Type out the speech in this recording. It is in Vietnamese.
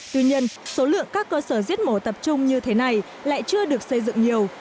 tuy nhiên số lượng các cơ sở giết mổ tập trung như thế này lại chưa được xây dựng nhiều